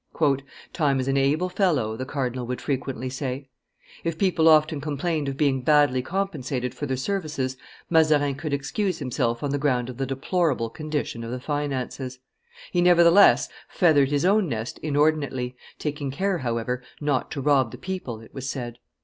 "Time is an able fellow," the cardinal would frequently say; if people often complained of being badly compensated for their services, Mazarin could excuse himself on the ground of the deplorable, condition of the finances. He nevertheless feathered his own nest inordinately, taking care, however, not to rob the people, it was said.